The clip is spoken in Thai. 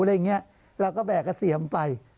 เราก็แบกกระเสียมไป